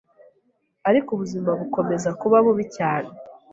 ariko ubuzima bukomeza kuba bubi cyane